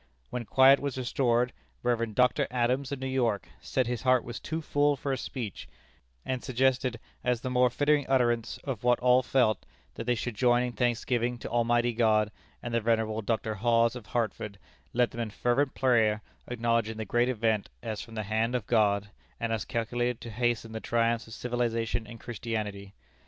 When quiet was restored, Rev. Dr. Adams, of New York, said his heart was too full for a speech, and suggested, as the more fitting utterance of what all felt, that they should join in thanksgiving to Almighty God, and the venerable Dr. Hawes, of Hartford, led them in fervent prayer, acknowledging the great event as from the hand of God, and as calculated to hasten the triumphs of civilization and Christianity.